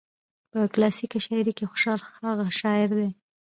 په کلاسيکه شاعرۍ کې خوشال هغه شاعر دى